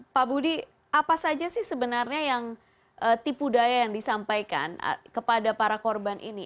pak budi apa saja sih sebenarnya yang tipu daya yang disampaikan kepada para korban ini